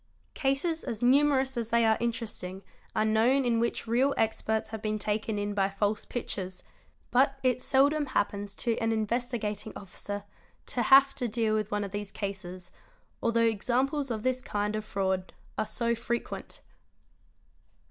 Cases as numerous as they are interesting are known in which real experts have been taken in by false pictures; but it seldom happens to — an Investigating Officer to have to deal with one of these cases, although examples of this kind of fraud are so frequent.